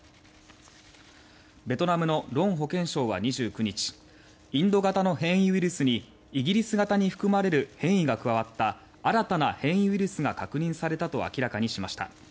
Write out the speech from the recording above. ベトナムのロン保健相は２９日インド型の変異ウイルスにイギリス型に含まれる変異が加わった新たな変異ウイルスが確認されたと明らかにしました。